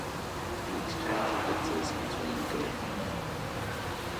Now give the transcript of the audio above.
An exchange of letters between Gov.